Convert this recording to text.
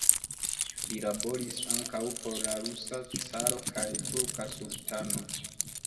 Li laboris ankaŭ por la rusa caro kaj turka sultano.